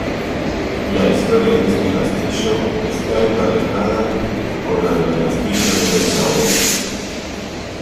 La historia de este castillo está emparejada con la del Castillo de Dos Aguas.